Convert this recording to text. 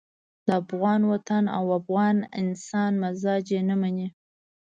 د افغان وطن او افغان انسان مزاج یې نه مني.